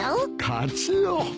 カツオ。